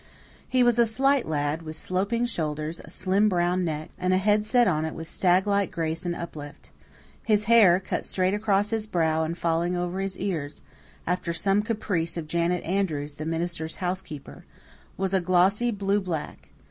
He was a slight lad, with sloping shoulders, a slim brown neck, and a head set on it with stag like grace and uplift. His hair, cut straight across his brow and falling over his ears, after some caprice of Janet Andrews, the minister's housekeeper, was a glossy blue black.